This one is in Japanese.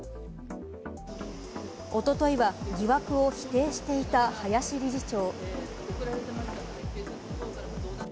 おとといは疑惑を否定していた林理事長。